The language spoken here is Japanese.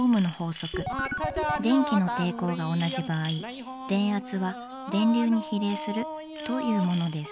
電気の抵抗が同じ場合電圧は電流に比例するというものです。